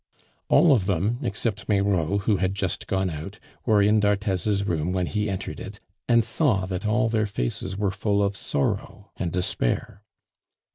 All of them, except Meyraux, who had just gone out, were in d'Arthez's room when he entered it, and saw that all their faces were full of sorrow and despair.